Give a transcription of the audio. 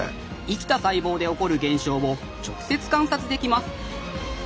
生きた細胞で起こる現象を直接観察できます